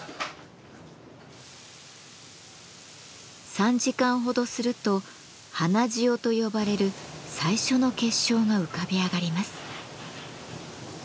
３時間ほどすると「花塩」と呼ばれる最初の結晶が浮かび上がります。